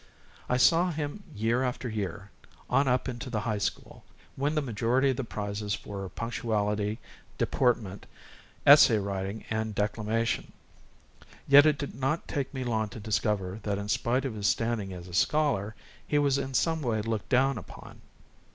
I saw him year after year, on up into the high school, win the majority of the prizes for punctuality, deportment, essay writing, and declamation. Yet it did not take me long to discover that, in spite of his standing as a scholar, he was in some way looked down upon.